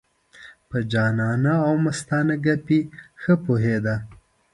په جانانه او مستانه ګپې ښه پوهېده.